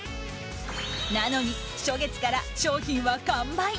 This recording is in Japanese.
なのに初月から商品は完売。